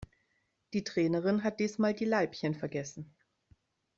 Die Trainerin hat diesmal die Leibchen vergessen.